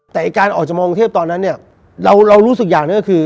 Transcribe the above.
แต่การออกจากมองกรุงเทพตอนนั้นเนี่ยเรารู้สึกอย่างหนึ่งก็คือ